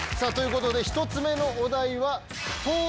１つ目のお題。